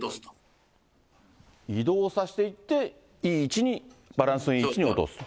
移動させていって、いい位置にバランスのいい位置に落とすと。